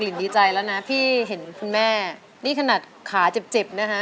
กลิ่นดีใจแล้วนะพี่เห็นคุณแม่นี่ขนาดขาเจ็บนะคะ